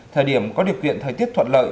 thời điểm có điều kiện thời tiết thuận lợi